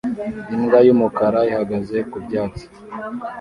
Imbwa y'umukara ihagaze ku byatsi